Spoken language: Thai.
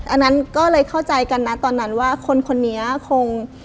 อันนั้นก็เลยเข้าใจกันนะตอนนั้นว่าคนคนนี้คง